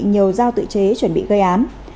nhiều dao tự chế chuẩn bị gây án